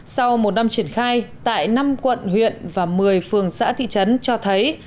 sau một năm triển khai tại năm quận huyện và một mươi phường xã thị trấn cho thấy